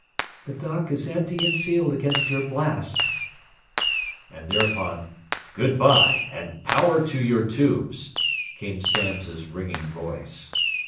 "The dock is empty and sealed against your blast," and thereupon "Good bye, and power to your tubes!" came Samms' ringing voice.